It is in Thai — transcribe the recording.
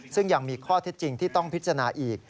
ซึ่งยังมีข้อเท็จจริงที่ต้องพิจารณาอีก